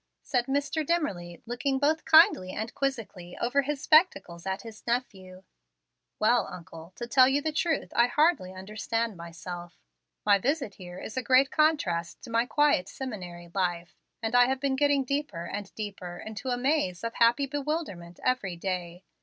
said Mr. Dimmerly, looking both kindly and quizzically over his spectacles at his nephew. "Well, uncle, to tell you the truth I hardly understand myself. My visit here is a great contrast to my quiet seminary life, and I have been getting deeper and deeper into a maze of happy bewilderment every day.